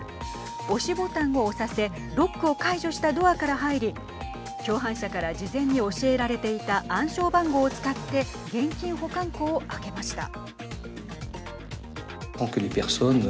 押しボタンを押させロックを解除したドアから入り共犯者から事前に教えられていた暗証番号を使って現金保管庫を開けました。